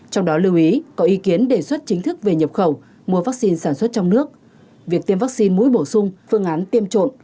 trong đó lưu ý có ý kiến đề xuất chính thức về nhập khẩu mua vaccine sản xuất trong nước việc tiêm vaccine mũi bổ sung phương án tiêm trộn